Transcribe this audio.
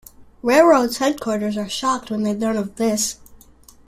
Railroad's headquarters are shocked when they learn of this.